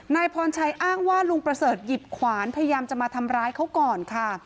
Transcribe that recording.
นายพรชัยอ้างว่าลุงประเสริฐหยิบขวานพยายามจะมาทำร้ายเขาก่อนค่ะ